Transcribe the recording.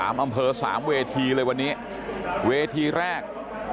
อำเภอสามเวทีเลยวันนี้เวทีแรก